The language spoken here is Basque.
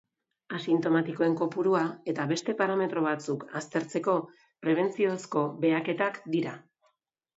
Asintomatikoen kopurua eta beste parametro batzuk aztertzeko prebentziozko baheketak dira.